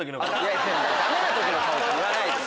「ダメな時の顔」って言わないで！